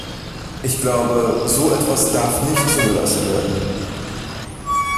Ich glaube, so etwas darf nicht zugelassen werden.